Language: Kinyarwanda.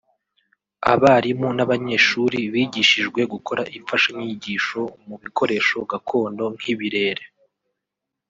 Abarimu n’abanyeshuri bigishijwe gukora imfashanyagisho mu bikoresho gakondo nk’ibirere